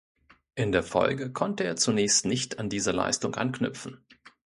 In der Folge konnte er zunächst nicht an diese Leistung anknüpfen.